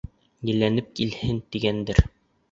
Елләнеп килһен, тигәндер.